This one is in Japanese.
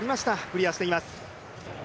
クリアしています。